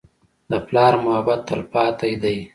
د پلار محبت تلپاتې دی.